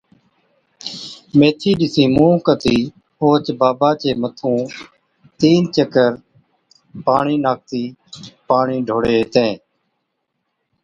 ميٿِي ڏِسِين مُونھ ڪتِي اوهچ ڊاڀا چِي مٿُون تِين چڪر پاڻِي ناکتِي پاڻِي ڍوڙي ھِتين